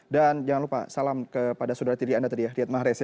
dan jangan lupa salam kepada saudara tiri anda tadi ya riat mahrez ya